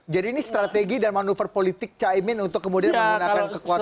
jadi ini strategi dan manuver politik caimin untuk kemudian menggunakan kekuatan